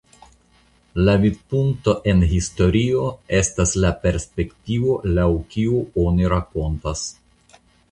La vidpunkto en historio estas la perspektivo laŭ kiu oni rakontas.